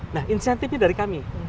nah insentifnya dari kami